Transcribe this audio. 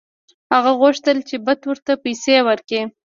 هغه غوښتل چې بت ورته پیسې ورکړي.